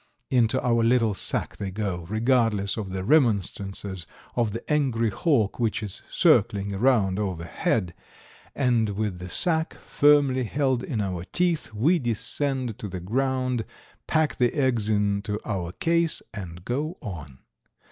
Into our little sack they go, regardless of the remonstrances of the angry hawk, which is circling around overhead, and with the sack firmly held in our teeth we descend to the ground, pack the eggs into our case and go on.